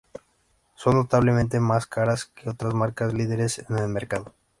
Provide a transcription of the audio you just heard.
Son notablemente más caras que otras marcas líderes en el mercado.